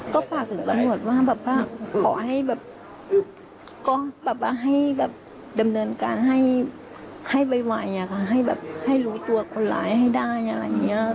ก็ฝากสินตรัสหมดว่าขอให้แบบดำเนินการให้ไวให้รู้ตัวคนหลายให้ได้อะไรอย่างนี้